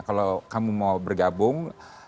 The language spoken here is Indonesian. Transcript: kalau kamu mau bergabung